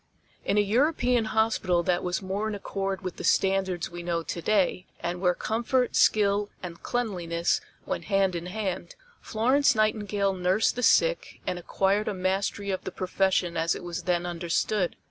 In a European hospital that was more in accord with the standards we know to day and where comfort, skill and cleanliness went hand in hand, Florence Nightingale nursed the sick and acquired a mastery of the profession as it was then understood.